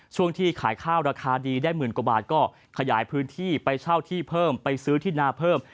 ช่วงที่ขายข้าวราคาดีได้หมื่นกว่าบาทก็ขยายพื้นที่ไปเช่าที่เพิ่มไปซื้อที่นาเพิ่ม